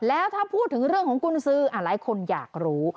แล้วถ้าพูดถึงเรื่องของกุญสือหลายคนอยากรู้